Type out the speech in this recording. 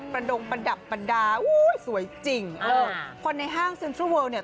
ประดงประดับประดาอุ้ยสวยจริงเออคนในห้างเนี่ย